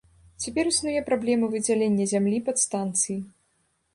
Цяпер існуе праблема выдзялення зямлі пад станцыі.